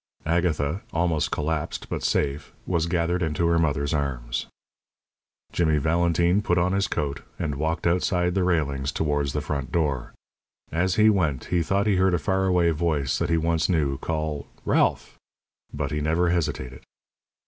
Agatha, almost collapsed, but safe, was gathered into her mother's arms. Jimmy Valentine put on his coat, and walked outside the railings towards the front door. As he went he thought he heard a far away voice that he once knew call "Ralph!" But he never hesitated.